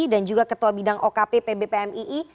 dan juga ketua bidang okp pb pmii